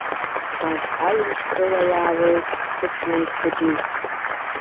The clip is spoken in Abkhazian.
Арҭ аҩымшк рыла иаауеит сыԥшәмеи схәыҷи.